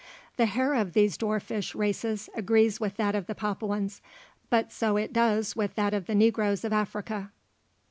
The hair of these dwarfish races agrees with that of the Papuans, but so it does with that of the negroes of Africa.